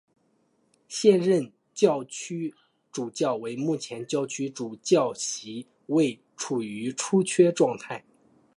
现任教区主教为目前教区主教席位处于出缺状态。